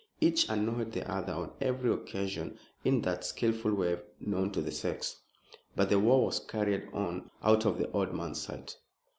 Each annoyed the other on every occasion in that skilful way known to the sex. But the war was carried on out of the old man's sight.